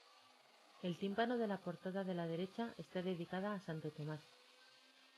El tímpano de la portada de la derecha está dedicada a Santo Tomás.